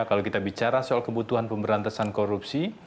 kalau kita bicara soal kebutuhan pemberantasan korupsi